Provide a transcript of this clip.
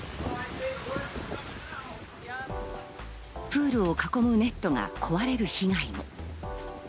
プールを囲むネットが壊れる被害も。